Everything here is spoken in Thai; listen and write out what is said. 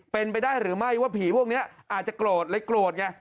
เป็นไปได้หรือไม่ว่าผีพวกนี้อาจจะโกรธเลยโกรธไง